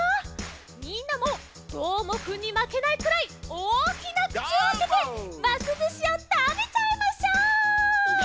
みんなもどーもくんにまけないくらいおおきなくちをあけてますずしをたべちゃいましょう！